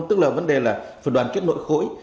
tức là vấn đề là phải đoàn kết nội khối